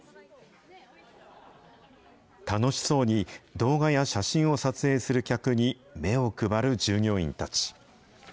楽しそうに動画や写真を撮影する客に目を配る従業員たち。